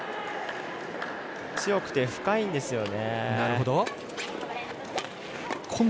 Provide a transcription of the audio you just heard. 強くて深いんですよね。